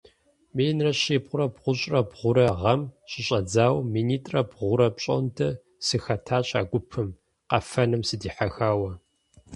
Минрэ щибгъурэ бгъущӀрэ бгъурэ гъэм щыщӀэдзауэ минитӀрэ бгъурэ пщӀондэ сыхэтащ а гупым, къэфэным сыдихьэхауэ.